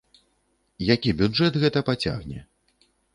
Які бюджэт гэта пацягне.